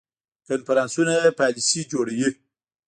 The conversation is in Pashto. کنفرانسونه پالیسي جوړوي